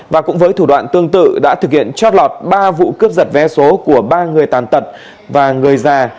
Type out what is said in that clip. và cũng với thủ đoạn tương tự đã thực hiện trót lọt ba vụ cướp giật vé số của ba người tàn tật và người già